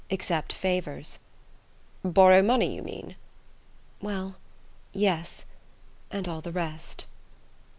accept favours.... "Borrow money, you mean?" "Well yes; and all the rest."